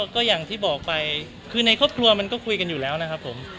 ก็อย่างที่บอกไปคือในครอบครัวมันก็คุยกันอยู่แล้วนะครับผม